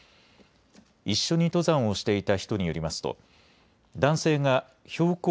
一緒に登山をしていた人によりますと、男性が標高